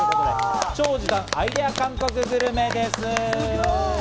超時短、アイデア韓国グルメです。